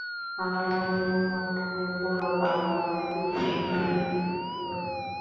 আমার মনের মধ্যে পুলক আর ভয় দুইই সমান হয়ে উঠল।